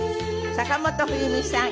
坂本冬美さん